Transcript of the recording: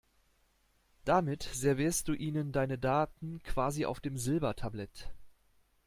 Damit servierst du ihnen deine Daten quasi auf dem Silbertablett.